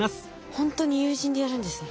ほんとに有人でやるんですね。